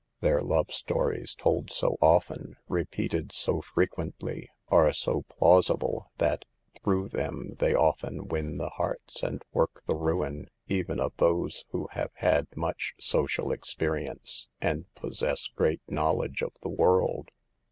Their love stories, told so often, re peated so frequently, are so plausible that through them they often win the hearts and work the ruin even of those who have had much social experience and possess great knowledge of the world.